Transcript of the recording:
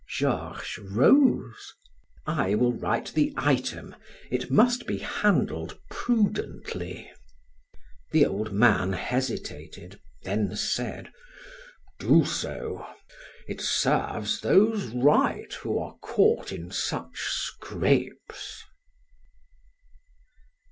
Georges rose. "I will write the item; it must be handled prudently." The old man hesitated, then said: "Do so: it serves those right who are caught in such scrapes."